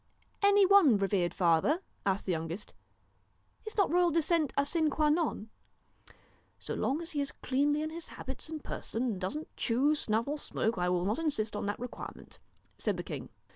'Any one, revered father?' asked the youngest. ' Is not royal descent a sine qua non ?'' So long as he is cleanly in his habits and person, and doesn't chew, snuff, or smoke, I will not insist on that requirement,' said the king.